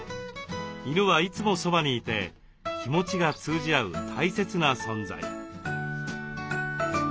犬はいつもそばにいて気持ちが通じ合う大切な存在。